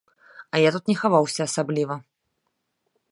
А я тут не хаваўся асабліва.